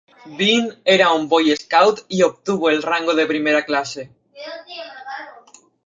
Bean era un Boy Scout y obtuvo el rango de Primera Clase.